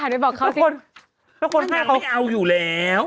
ท่านยังไม่เอาอยู่แล้ว